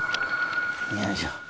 よいしょ